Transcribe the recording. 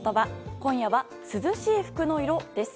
今夜は、涼しい服の色です。